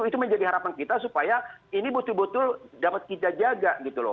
itu menjadi harapan kita supaya ini betul betul dapat kita jaga gitu loh